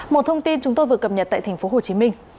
một thông tin chúng tôi vừa cập nhật tại tp hcm